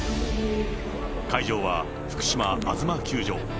会場は福島あづま球場。